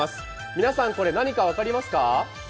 皆さん、これ何か分かりますか？